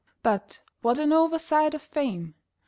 But, what an oversight of Fame!